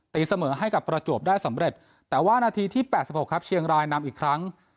เสมอให้กับประจวบได้สำเร็จแต่ว่านาทีที่๘๖ครับเชียงรายนำอีกครั้ง